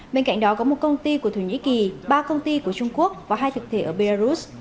bên cạnh đó có một công ty của thổ nhĩ kỳ ba công ty của trung quốc và hai thực thể ở belarus